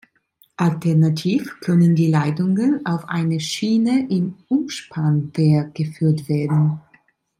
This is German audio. Alternativ können die Leitungen auf eine Schiene im Umspannwerk geführt werden.